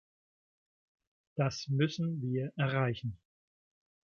Das müssen wir erreichen.